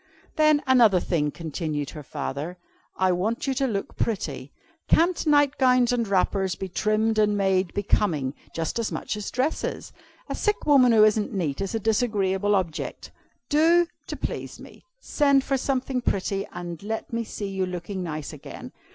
"'Then, another thing,' continued her father, 'I want you to look pretty. Can't nightgowns and wrappers be trimmed and made becoming just as much as dresses? A sick woman who isn't neat is a disagreeable object. Do, to please me, send for something pretty, and let me see you looking nice again.